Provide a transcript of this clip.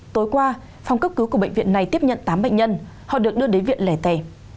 tối qua phòng cấp cứu của bệnh viện này tiếp nhận tám bệnh nhân họ được đưa đến viện lẻ tề